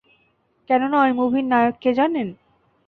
কেননা ওই মুভির নায়ক কে জানেন?